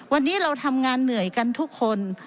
วันนี้เราทำงานเหนื่อยกันทุกคน